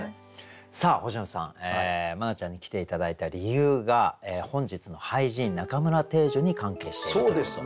さあ星野さん茉奈ちゃんに来て頂いた理由が本日の俳人中村汀女に関係しているということですが。